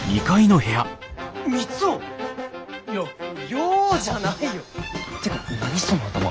ようじゃないよてか何その頭。